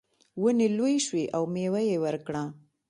ونې لویې شوې او میوه یې ورکړه.